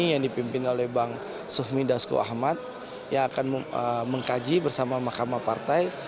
yang dipimpin oleh bang sufmi dasko ahmad yang akan mengkaji bersama mahkamah partai